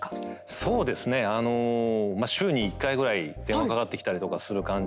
そうですねあの週に１回ぐらい電話かかってきたりとかする感じで。